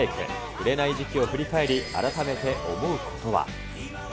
売れない時期を振り返り、改めて思うことは。